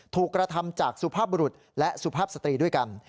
ถูกกระทำจากสุภาพบรุษและสุภาพสตรีด้วยกัน